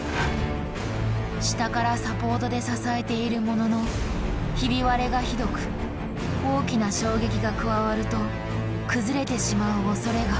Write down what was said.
下からサポートで支えているもののひび割れがひどく大きな衝撃が加わると崩れてしまうおそれが。